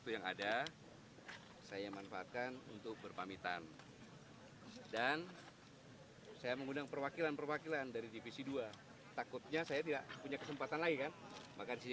yang sangat berhasil mengembangkan